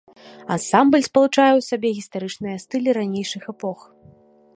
Ансамбль спалучае ў сабе гістарычныя стылі ранейшых эпох.